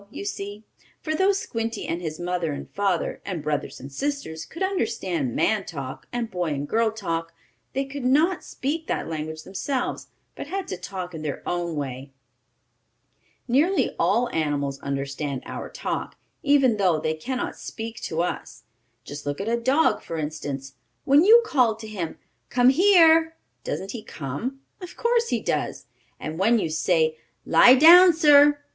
you see. For though Squinty, and his mother and father, and brothers and sisters, could understand man talk, and boy and girl talk, they could not speak that language themselves, but had to talk in their own way. Nearly all animals understand our talk, even though they can not speak to us. Just look at a dog, for instance. When you call to him: "Come here!" doesn't he come? Of course he does. And when you say: "Lie down, sir!"